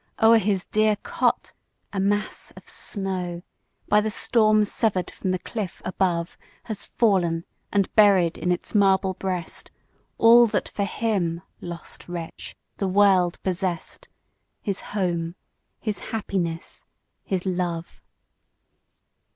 O'er his dear cot a mass of snow, By the storm sever'd from the cliff above, Has fallen and buried in its marble breast, All that for him lost wretch the world possest, His home, his happiness, his love!